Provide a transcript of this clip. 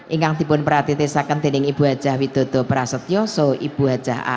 ingkang dibun pratiti saken tening ibu aja widodo prasetyoso ibu aja aan